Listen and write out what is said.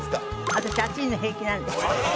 私暑いの平気なんです。